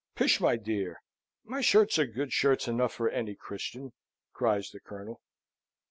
"Pish, my dear! my shirts are good shirts enough for any Christian," cries the Colonel.